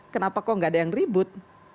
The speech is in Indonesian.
kenapa kok gak ada yang ribut